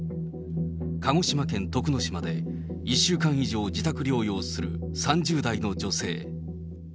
鹿児島県徳之島で、１週間以上自宅療養する３０代の女性。